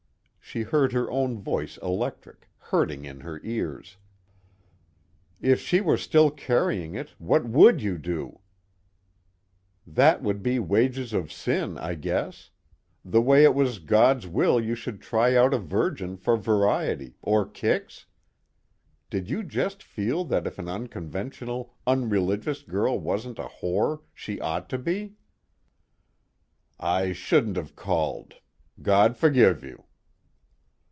She heard her own voice electric, hurting in her ears. "If she were still carrying it, what would you do? That would be wages of sin, I guess? The way it was God's will you should try out a virgin for variety, or kicks? Or did you just feel that if an unconventional, unreligious girl wasn't a whore she ought to be?" "I shouldn't have called. God forgive you."